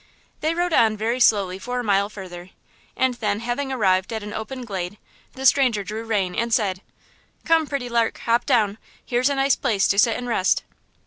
They rode on very slowly for a mile further, and then, having arrived at an open glade, the stranger drew rein and said: "Come, pretty lark, hop down; here's a nice place to sit and rest."